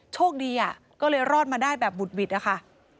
โชคดีก็เลยรอดมาได้แบบบุตบิดอ่ะค่ะ